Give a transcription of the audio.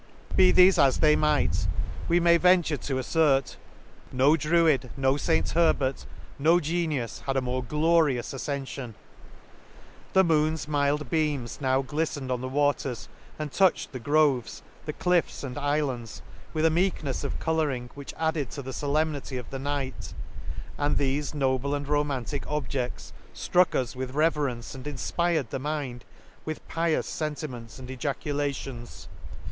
*— Be thefe as they might, we may venture to affert, no druid, no St Herbert, no genius, had a more glorious afcenfion. — The moon's mild beams now gliftned on the waters, and touched the groves, the cliffs, and iflands, with a meeknefs of colouring, which added to the folemnity of the night, and thefe noble and ro mantic objects, flruck us with reverence and infpired the mind with pious fenti ments and ejaculations.